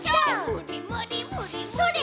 「むりむりむりむり」